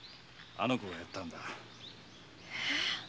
あの子がやったんだ。